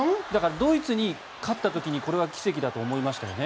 ドイツに勝った時にこれは奇跡だと思いましたよね。